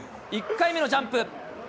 １回目のジャンプ。